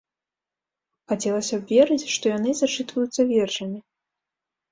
Хацелася б верыць, што яны зачытваюцца вершамі.